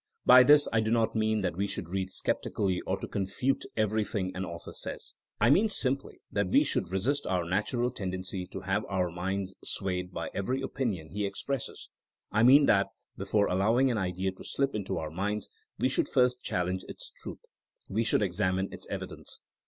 By this I do not mean that we should read skeptically or to confute everything an author says. I mean simply that we should resist our natural tendency to have our minds swayed by every opinion he expresses. I mean that before allowing an idea to slip into our minds we should first challenge its truth; we should examine its evidence.